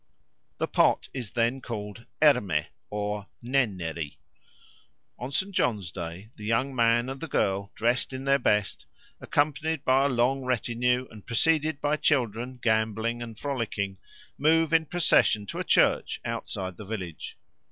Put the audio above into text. The pot is then called Erme or Nenneri. On St. John's Day the young man and the girl, dressed in their best, accompanied by a long retinue and preceded by children gambolling and frolicking, move in procession to a church outside the village.